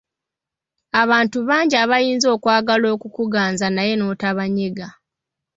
Abantu bangi abayinza okwagala okukuganza naye n'otabanyega.